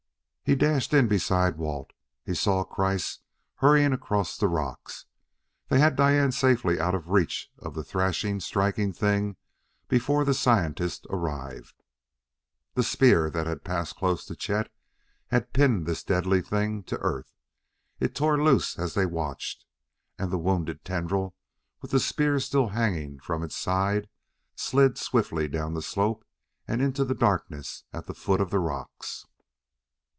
He dashed in beside Walt; he saw Kreiss hurrying across the rocks. They had Diane safely out of reach of the threshing, striking thing before the scientist arrived. The spear that had passed close to Chet had pinned this deadly thing to earth; it tore loose as they watched, and the wounded tendril, with the spear still hanging from its side, slid swiftly down the slope and into the darkness at the foot of the rocks.